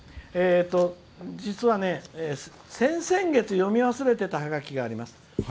実は、先々月、読み忘れていたハガキがあります。